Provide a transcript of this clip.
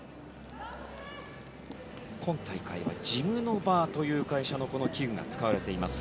今大会はジムノバという会社の器具が使われています。